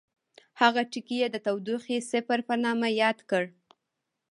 هغه ټکی یې د تودوخې صفر په نامه یاد کړ.